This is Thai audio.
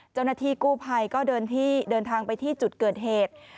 เจ้าหน้าที่กู้ภัยก็เดินทางไปที่จุดเกิดเหตุ